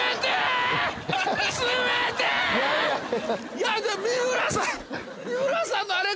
いやでも三村さん